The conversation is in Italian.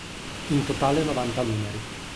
In totale novanta numeri.